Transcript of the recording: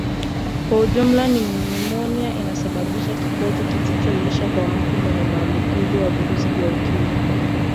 Kwa ujumla nimonia inasababisha kikozi kisichoisha kwa mtu mwenye maambukizi ya virusi vya Ukimwi